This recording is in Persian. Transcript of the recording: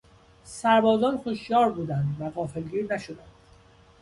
سربازان هشیار بودند و غافلگیر نشدند.